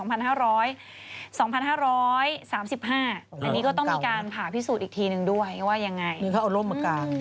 อันนี้ก็ต้องมีการผ่าพิสูจน์อีกทีนึงด้วยว่ายังไงนี่เขาเอาร่มมากาง